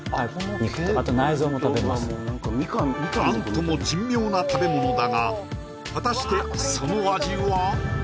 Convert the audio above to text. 何とも珍妙な食べ物だが果たしてその味は？